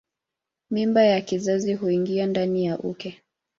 Mimba ya kizazi huingia ndani ya uke.